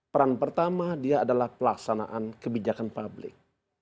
peran pertama dia adalah pelaksanaan kebijakan publik